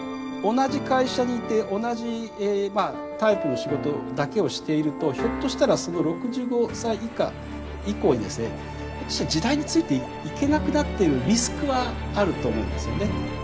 同じ会社にいて同じタイプの仕事だけをしているとひょっとしたら６５歳以降にですね時代についていけなくなってるリスクはあると思うんですよね。